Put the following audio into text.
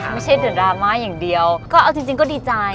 ไม่ใช่แต่ดราม่าอย่างเดียวก็เอาจริงก็ดีใจ